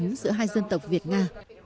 nhân tộc việt nga